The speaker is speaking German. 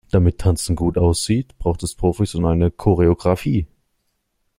Damit Tanzen gut aussieht, braucht es Profis und eine Choreografie.